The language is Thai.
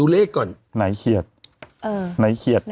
เราหาเขียดนี่